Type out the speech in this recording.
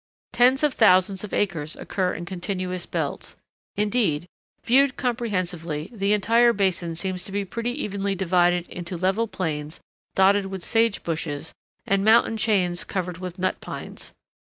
Tens of thousands of acres occur in continuous belts. Indeed, viewed comprehensively the entire Basin seems to be pretty evenly divided into level plains dotted with sage bushes and mountain chains covered with Nut Pines.